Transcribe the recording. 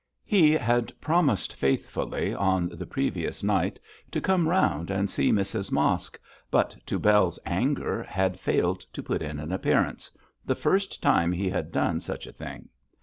He had promised faithfully, on the previous night, to come round and see Mrs Mosk, but, to Bell's anger, had failed to put in an appearance the first time he had done such a thing.